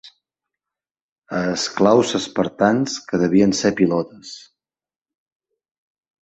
Esclaus espartans que devien ser pilotes.